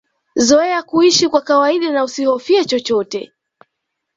Zoea kuisha kwa kawaida na usihofie chochote